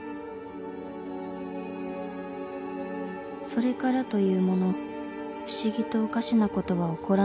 ［それからというもの不思議とおかしなことは起こらなくなり］